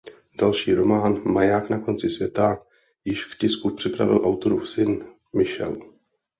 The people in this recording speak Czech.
Další román "Maják na konci světa" již k tisku připravil autorův syn Michel.